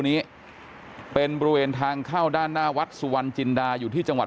นี้เป็นบริเวณทางเข้าด้านหน้าวัดสุวรรณจินดาอยู่ที่จังหวัด